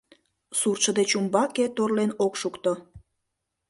Суртшо деч умбаке торлен ок шукто.